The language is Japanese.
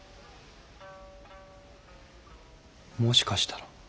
もしかしたら。